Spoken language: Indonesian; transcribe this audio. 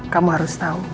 kamu harus tahu